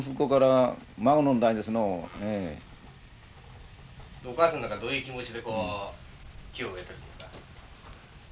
これはもうお母さんなんかどういう気持ちでこう木を植えてるんですか？